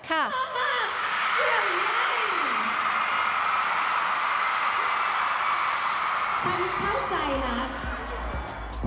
ฉันเข้าใจแล้วครับ